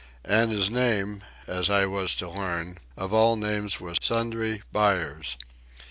And his name, as I was to learn, of all names was Sundry Buyers.